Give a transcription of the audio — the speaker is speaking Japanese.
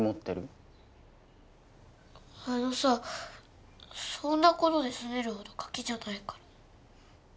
あのさそんな事ですねるほどガキじゃないから。